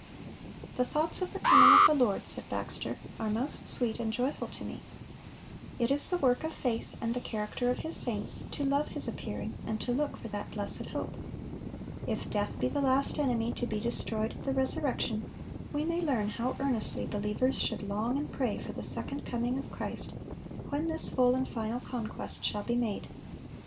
(473) "The thoughts of the coming of the Lord," said Baxter, "are most sweet and joyful to me."(474) "It is the work of faith and the character of His saints to love His appearing and to look for that blessed hope." "If death be the last enemy to be destroyed at the resurrection, we may learn how earnestly believers should long and pray for the second coming of Christ, when this full and final conquest shall be made."